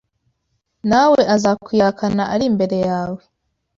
na we azakwihakana ari imbere yawe.